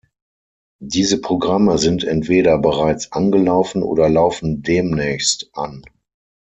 Diese Programme sind entweder bereits angelaufen oder laufen demnächst an.